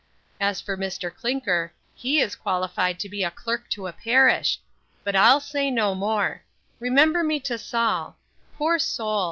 As for Mr Klinker, he is qualified to be a clerk to a parish But I'll say no more Remember me to Saul poor sole!